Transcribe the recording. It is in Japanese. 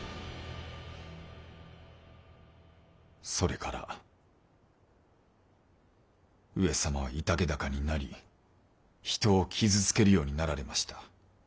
それから上様は居丈高になり人を傷つけるようになられました。